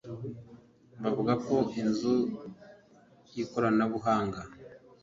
Bavuga ko inzu y’ikoranabuhanga